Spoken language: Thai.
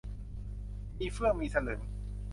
มีเฟื้องมีสลึง